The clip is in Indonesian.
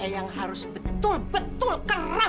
tidak usah ikut coba